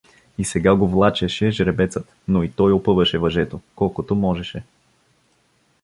И сега го влачеше жребецът, но и той опъваше въжето, колкото можеше.